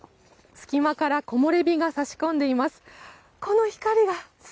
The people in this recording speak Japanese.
隙間から木漏れ日が差し込んでいます。